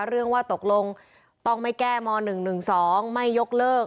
เรื่องว่าตกลงต้องไม่แก้ม๑๑๒ไม่ยกเลิก